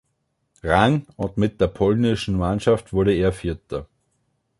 Rang und mit der polnischen Mannschaft wurde er Vierter.